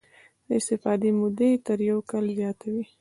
د استفادې موده یې تر یو کال زیاته وي.